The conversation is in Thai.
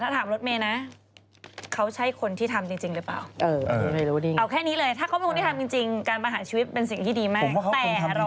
แต่ถ้าถามลดเมย์นะ